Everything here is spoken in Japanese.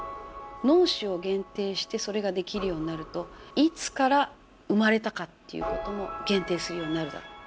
「脳死」を限定してそれができるようになると「いつから生まれたか」という事も限定するようになるだろう。